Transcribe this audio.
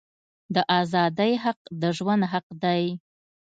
د آزادی حق د ژوند حق دی.